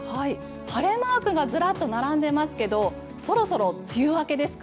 晴れマークがずらっと並んでますけどそろそろ梅雨明けですか？